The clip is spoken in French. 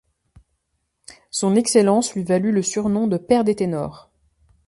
Son excellence lui valut le surnom de père des ténors.